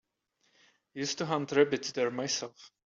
Used to hunt rabbits there myself.